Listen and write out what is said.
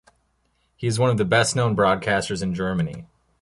He is one of the best known broadcasters in Germany.